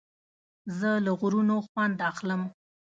زه له غرونو خوند اخلم.